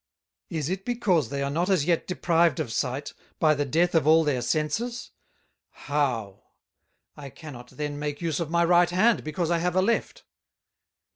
Is it because they are not as yet deprived of Sight, by the Death of all their Senses? How! I cannot then make use of my Right Hand, because I have a Left!